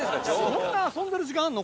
そんな遊んでる時間あるの？